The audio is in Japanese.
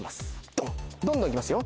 ドンどんどん行きますよ